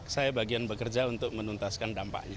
saya bagian bekerja untuk menuntaskan dampaknya